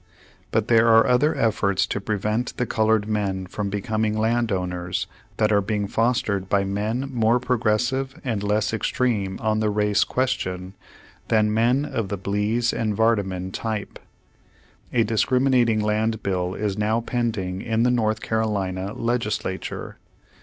But there are other efforts to prevent the col ored men from becoming land owners that are being fostered by men more progressive and less extreme on the race question than men of the Page Two Hundred seven Blease and Vardaman type. A discriminating land bill is now pending in the North Carolina legislature.